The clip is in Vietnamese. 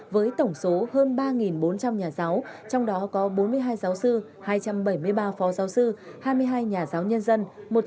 với tổng số hơn ba bốn trăm linh nhà giáo trong đó có bốn mươi hai giáo sư hai trăm bảy mươi ba phó giáo sư hai mươi hai nhà giáo nhân dân